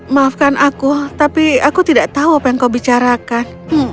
maafkan aku tapi aku tidak tahu apa yang kau bicarakan